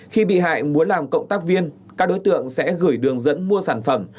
khi bị hại muốn làm cộng tác viên các đối tượng sẽ gửi đường dẫn mua sản phẩm